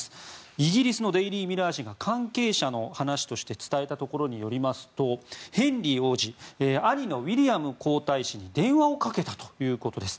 イギリスのデイリー・ミラー紙が関係者の話として伝えたところによりますとヘンリー王子兄のウィリアム皇太子に電話をかけたということです。